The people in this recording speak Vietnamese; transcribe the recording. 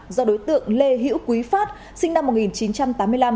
do đối tượng lê hữu quý phát sinh năm một nghìn chín trăm tám mươi năm